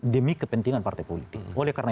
demi kepentingan partai politik oleh karena